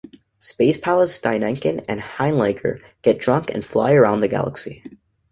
Space pilots Steineken and Heinlager get drunk and fly around the galaxy.